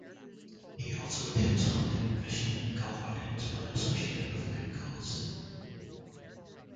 He also attends hunting, fishing and golf outings when associated with a good cause.